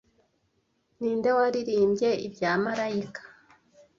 Ninde waririmbye ibya Malayika